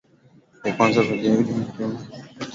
ya kwanza Kwa juhudi za Mitume waliowahi kuchaguliwa